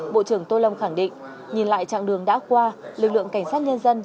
bộ trưởng tô lâm khẳng định nhìn lại chặng đường đã qua lực lượng cảnh sát nhân dân